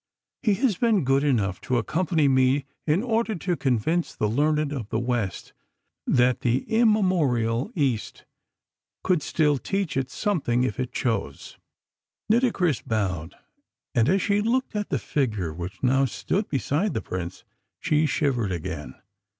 He has been good enough to accompany me in order to convince the learned of the West that the Immemorial East could still teach it something if it chose." Nitocris bowed, and as she looked at the figure which now stood beside the Prince, she shivered again.